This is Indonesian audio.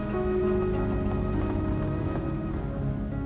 harus lewat keluar